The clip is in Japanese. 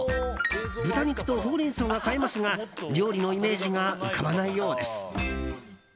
豚肉とホウレンソウが買えますが料理のイメージが浮かばないようです。